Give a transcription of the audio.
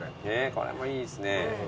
これもいいっすね。